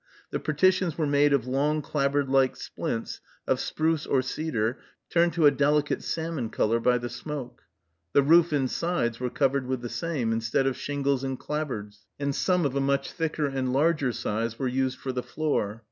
The partitions were made of long clapboard like splints, of spruce or cedar, turned to a delicate salmon color by the smoke. The roof and sides were covered with the same, instead of shingles and clapboards, and some of a much thicker and larger size were used for the floor.